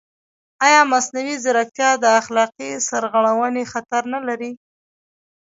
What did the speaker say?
ایا مصنوعي ځیرکتیا د اخلاقي سرغړونې خطر نه لري؟